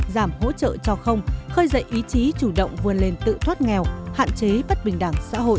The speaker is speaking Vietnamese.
giảm hỗ trợ cho không khơi dậy ý chí chủ động vươn lên tự thoát nghèo hạn chế bất bình đẳng xã hội